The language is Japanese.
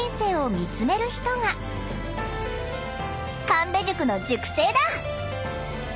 神戸塾の塾生だ！